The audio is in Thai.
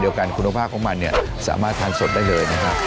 กันคุณภาพของมันเนี่ยสามารถทานสดได้เลยนะครับ